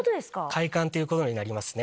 快感っていうことになりますね。